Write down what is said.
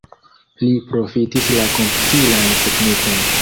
Li profitis la komputilan teknikon.